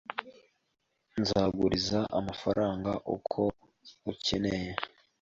Nzaguriza amafaranga uko ukeneye.